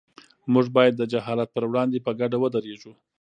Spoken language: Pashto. موږ باید د جهالت پر وړاندې په ګډه ودرېږو.